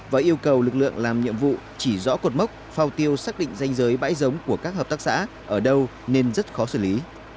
và yêu cầu lực lượng làm nhiệm vụ chỉ rõ cột mốc phao tiêu xác định danh giới bãi giống của các hợp tác xã ở đâu nên rất khó xử lý